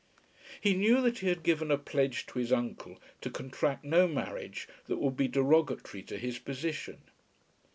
He knew that he had given a pledge to his uncle to contract no marriage that would be derogatory to his position.